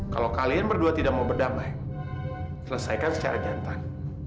kalau kalian berdua tidak mau berdamai selesaikan secara jantan